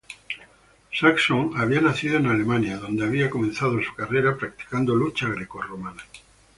Saxon había nacido en Alemania, donde había comenzado su carrera practicando lucha grecorromana.